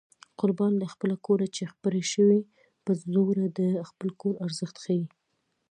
قربان له خپله کوره چې خبرې شي په زوره د خپل کور ارزښت ښيي